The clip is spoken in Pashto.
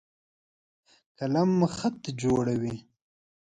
قلم خط جوړوي.